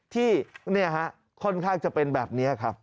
ที่ค่อนข้างจะเป็นแบบนี้ครับ